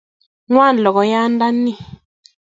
Ngwan lokoiyandani